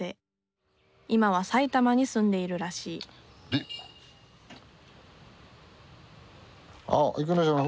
今は埼玉に住んでいるらしいあ生野島の。